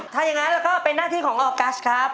ถ้าอย่างนั้นแล้วก็เป็นหน้าที่ของออกัสครับ